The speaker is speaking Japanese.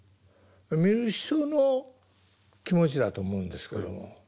見る人の気持ちだと思うんですけども。